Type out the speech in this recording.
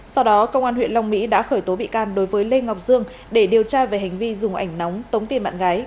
sau đó công an huyện long mỹ đã khởi tố bị can đối với lê ngọc dương để điều tra về hành vi dùng ảnh nóng tống tiền bạn gái